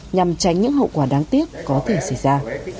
nhằm tránh những hậu quả đáng tiếc có thể xảy ra